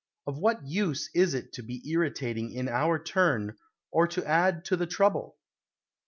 Of what use is it to be irritating in our turn or to add to the trouble?